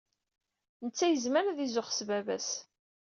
Netta yezmer ad izuxx s baba-s.